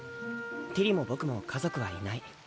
ティリも僕も家族はいない。